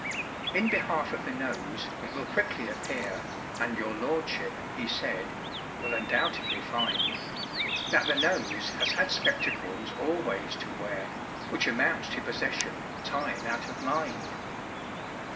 In behalf of the Nose it will quickly appear, And your lordship, he said, will undoubtedly find, That the Nose has had spectacles always to wear, Which amounts to possession time out of mind.